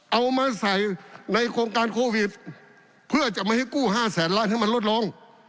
เอามาใส่ในโครงการโควิดเพื่อจะไม่ให้กู้๕แสนล้านให้มันลดลง